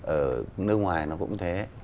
ở nước ngoài nó cũng thế